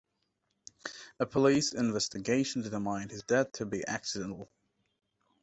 A police investigation determined his death to be accidental.